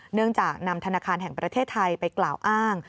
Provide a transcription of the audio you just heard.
เนื่องจากนำธนาคารแห่งประเทศไทยไปกล่าวอ้าง